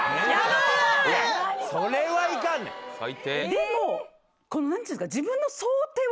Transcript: でも何ていうんですか。